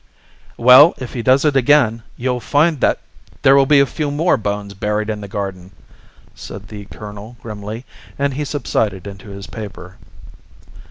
"Well, if he does it again, you'll find that there will be a few more bones buried in the garden!" said the colonel grimly; and he subsided into his paper.